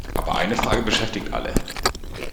Aber eine Frage beschäftigt alle.